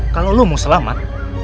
kalo lu mau selamat